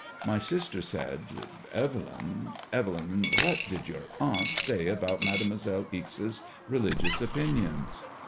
My sister said Evelyn, Evelyn, what did your aunt say about Mademoiselle Ixe's re ligious opinions